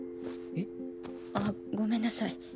えっ？あっごめんなさい。